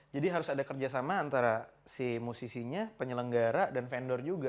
jadi harus ada kerjasama antara si musisinya penyelenggara dan vendor juga